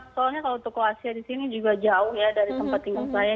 soalnya kalau toko asia di sini juga jauh ya dari tempat tinggal saya